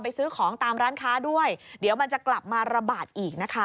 ซื้อของตามร้านค้าด้วยเดี๋ยวมันจะกลับมาระบาดอีกนะคะ